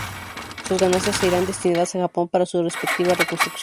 Sus ganancias irán destinadas a Japón para su respectiva reconstrucción.